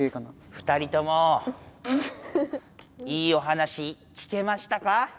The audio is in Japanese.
２人ともいいお話聞けましたか？